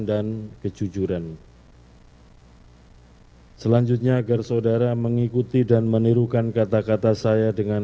dan kejujuran selanjutnya agar saudara mengikuti dan menirukan kata kata saya dengan